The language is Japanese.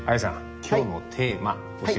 今日のテーマ教えて下さい。